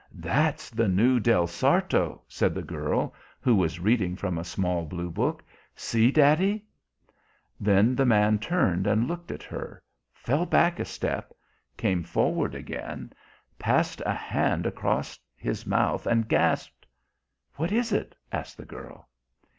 "That's the new Del Sarto," said the girl, who was reading from a small blue book. "See, daddy?" Then the man turned and looked at her, fell back a step, came forward again, passed a hand across his mouth and gasped. "What is it?" asked the girl.